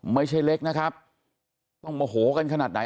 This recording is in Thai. ไม่ใช่เล็กนะครับต้องโมโหกันขนาดไหน